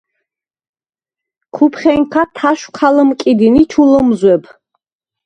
ქუფხენქა თაშვ ქა ლჷმკიდინ ი ჩუ ლჷმზვებ.